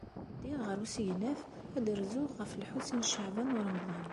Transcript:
Ddiɣ ɣer usegnaf ad rzuɣ ɣef Lḥusin n Caɛban u Ṛemḍan.